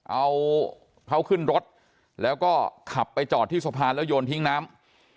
เอาเขาขึ้นรถแล้วก็ขับไปจอดที่สะพานแล้วโยนทิ้งน้ำ